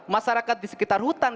masyarakat di sekitar hutan